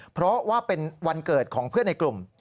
เพราะว่าเป็นวันเกิดของเพื่อนในกลุ่ม